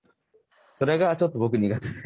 それがちょっと僕苦手で。